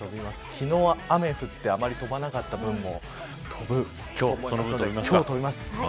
昨日は雨降ってあまり飛ばなかった分もその分、今日飛びます。